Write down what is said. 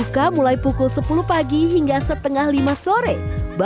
yaitu bakso henry